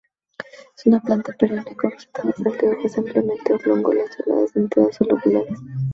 Es una planta perenne con roseta basal de hojas ampliamente oblongo-lanceoladas, dentadas o lobuladas.